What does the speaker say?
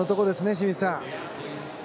清水さん。